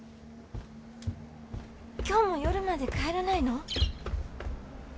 今日も夜まで帰らないの？